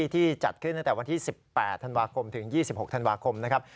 ที่จัดขึ้นตั้งแต่วันที่๑๘ธันวาคมถึง๒๖ธันวาคมนะครับ